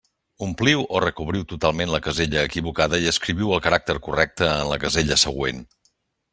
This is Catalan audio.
Ompliu o recobriu totalment la casella equivocada i escriviu el caràcter correcte en la casella següent.